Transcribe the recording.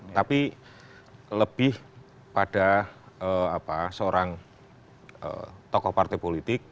tetapi lebih pada seorang tokoh partai politik